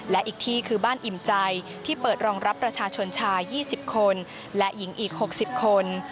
และอีกที่คือบ้านอิ่มใจที่เปิดรองรับประชาชนชาย๒๐คนและหญิงอีก๖๐คน